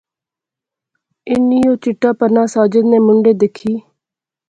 انی او چٹا پرنا ساجد نے مونڈھے دیکھی